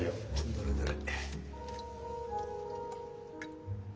どれどれ。